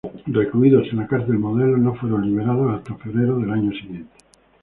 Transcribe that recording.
Recluidos en la Cárcel Modelo, no fueron liberados hasta febrero del año siguiente.